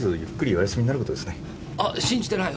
あっ信じてない。